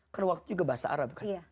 karena waktu juga bahasa arab kan